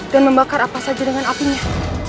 dan membakar apa saja dengan apinya